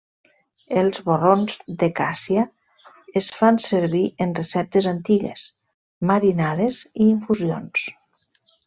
Els borrons de càssia es fan servir en receptes antigues, marinades i infusions.